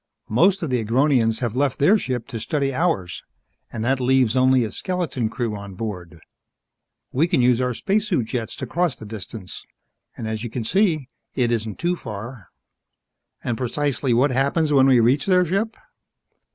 Most of the Agronians have left their ship to study ours, and that leaves only a skeleton crew on board. We can use our spacesuit jets to cross the distance. As you can see, it isn't too far." "And precisely what happens when we reach their ship?"